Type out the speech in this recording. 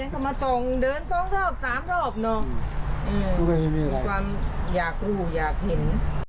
คำส่องเดินทั้งรอบสามรอบเนอะอืมเป็นยากรู้อยากเห็น